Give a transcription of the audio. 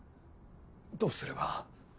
どうすれば？